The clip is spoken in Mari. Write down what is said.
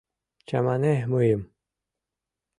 Чамане мыйым!